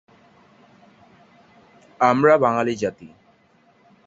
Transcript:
আমরা বাঙালি জাতি।